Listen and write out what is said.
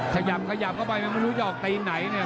ขยับขยับเข้าไปมันไม่รู้จะออกตีไหนเนี่ย